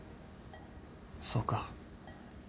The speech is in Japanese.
そうか。